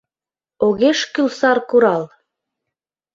Огеш кӱл саркурал!